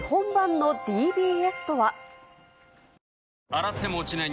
洗っても落ちない